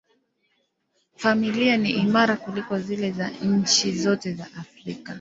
Familia ni imara kuliko zile za nchi zote za Afrika.